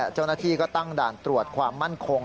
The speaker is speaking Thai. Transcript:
เจ้าหน้าที่ก็ตั้งด่านตรวจความมั่นคง